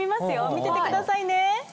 見ててくださいね。